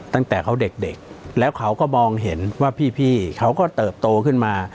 ตั้งแต่เขาเด็กแล้วเขาก็มองเห็นว่าพี่เขาก็เติบโตขึ้นมา